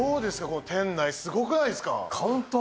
この店内すごくないですか？